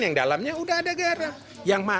yang dalamnya udah ada garam